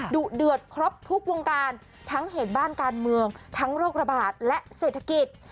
ดุเดือดครบทุกวงการทั้งเหตุบ้านการเมืองทั้งโรคระบาดและเศรษฐกิจ